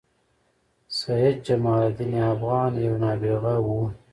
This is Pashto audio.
سيدجمال الدين افغان یو نابغه وه